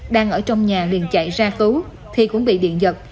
đang ở trong nhà liền chạy ra cứu thì cũng bị điện giật